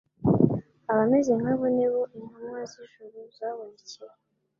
Abameze nk'abo nibo intumwa z'ijuru zabonekeye